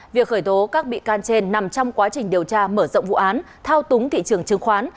việc khởi tố các bị can trên nằm trong quá trình điều tra mở rộng vụ án thao túng thị trường chứng khoán